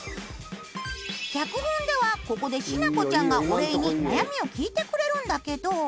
脚本ではここでしなこちゃんがお礼に悩みを聞いてくれるんだけど。